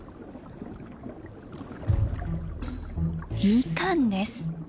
ミカンです。